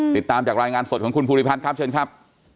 ติดตามจากรายงานสดของคุณภูริพัฒน์ครับเชิญครับ